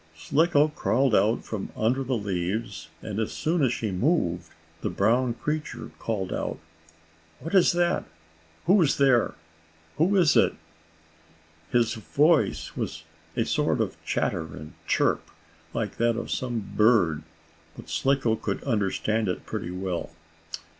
Slicko crawled out from under the leaves, and, as soon as she moved, the brown creature called out: "What is that? Who is there? Who is it?" His voice was a sort of chatter and chirp, like that of some bird, but Slicko could understand it pretty well.